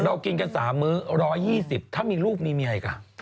เรากินกัน๓มื้อ๑๒๐ถ้ามีลูกมีเมียอีก